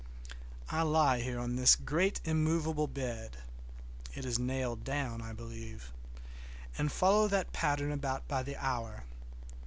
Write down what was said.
I lie here on this great immovable bed—it is nailed down, I believe—and follow that pattern about by the hour.